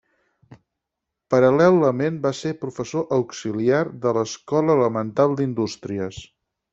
Paral·lelament, va ser professor auxiliar de l'Escola Elemental d'Indústries.